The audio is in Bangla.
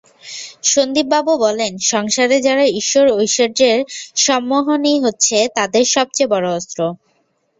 সন্দীপবাবু বলেন, সংসারে যারা ঈশ্বর ঐশ্বর্যের সম্মোহনই হচ্ছে তাদের সব চেয়ে বড়ো অস্ত্র।